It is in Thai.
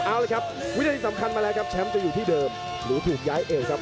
เอาละครับวินาทีสำคัญมาแล้วครับแชมป์จะอยู่ที่เดิมหรือถูกย้ายเอวครับ